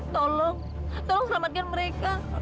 tolong tolong selamatkan mereka